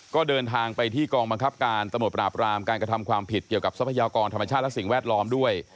ก็เดินทางไปที่กองบังคับการตำรวจปราบรามการกระทำความผิดเกี่ยวกับทรัพยากรธรรมชาติและสิ่งแวดล้อมด้วย